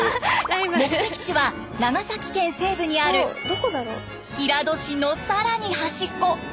目的地は長崎県西部にある平戸市の更に端っこ宮ノ浦です。